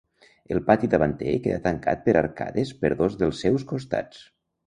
El pati davanter queda tancat per arcades per dos dels seus costats.